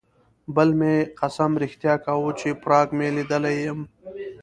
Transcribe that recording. بل مې قسم رښتیا کاوه چې پراګ مې لیدلی یم.